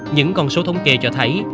những con số thống kê cho thấy